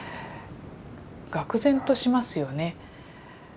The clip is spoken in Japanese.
がく然としますよね。